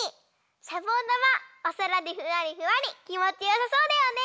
しゃぼんだまおそらでふわりふわりきもちよさそうだよね！